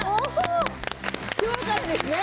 今日からですね。